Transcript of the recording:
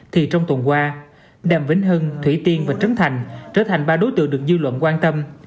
thì trong tuần qua đàm vĩnh hưng thủy tiên và trấn thành trở thành ba đối tượng được dư luận quan tâm